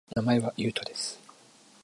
名前は、ゆうとです